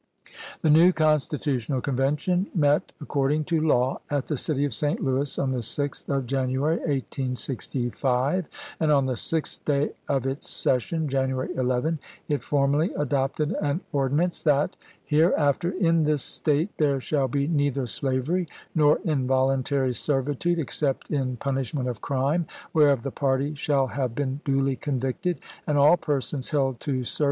The new Constitutional Convention met accord ing to law at the city of St. Louis on the 6th of January, 1865, and on the sixth day of its session, January 11, it formally adopted an ordinance, " That hereafter in this State there shall be neither slavery nor involuntary servitude, except in pun ishment of crime, whereof the party shall have been duly convicted ; and all persons held to ser ibid.